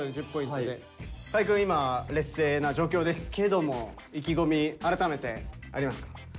今劣勢な状況ですけども意気込み改めてありますか？